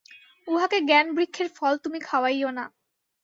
উহাকে জ্ঞানবৃক্ষের ফল তুমি খাওয়াইয়ো না।